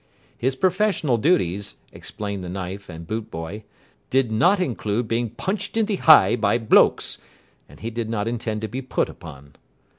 His professional duties, explained the knife and boot boy, did not include being punched in the heye by blokes, and he did not intend to be put upon.